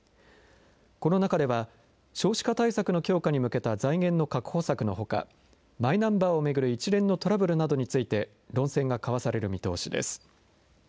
この中では、少子化対策の強化に向けた財源の確保策のほか、マイナンバーを巡る一連のトラブルなどについて論戦が交わされる見通しです。